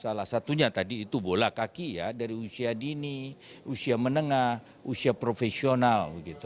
salah satunya tadi itu bola kaki ya dari usia dini usia menengah usia profesional